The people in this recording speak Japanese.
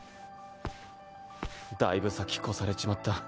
だいぶ先越されちまった。